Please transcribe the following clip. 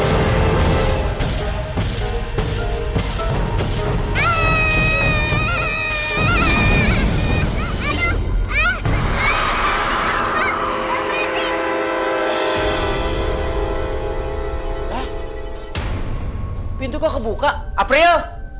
hah pintu kau kebuka apa ya